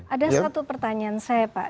ada satu pertanyaan saya pak